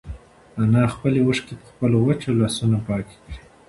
انا خپلې اوښکې په خپلو وچو لاسونو پاکې کړې.